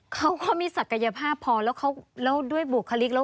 เขาก็มีศักยภาพพอแล้วด้วยบุคลิกแล้ว